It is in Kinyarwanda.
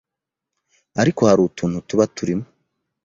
ariko hari utuntu tuba turimo